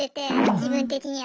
自分的には。